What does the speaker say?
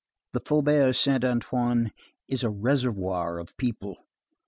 The Faubourg Saint Antoine is a reservoir of people.